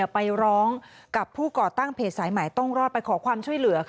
ไปร้องกับผู้ก่อตั้งเพจสายใหม่ต้องรอดไปขอความช่วยเหลือ